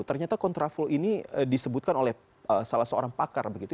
ternyata kontraflow ini disebutkan oleh salah seorang pakar begitu